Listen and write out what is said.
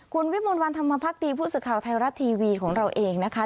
คุณวิมลวันธรรมพักดีผู้สื่อข่าวไทยรัฐทีวีของเราเองนะคะ